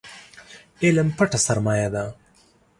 علم پټه سرمايه ده